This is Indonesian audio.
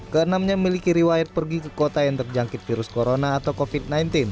keenamnya memiliki riwayat pergi ke kota yang terjangkit virus corona atau covid sembilan belas